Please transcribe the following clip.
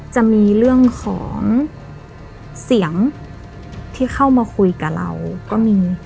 จะมีเรื่องของเสียงที่เข้ามาคุยกับเราก็มี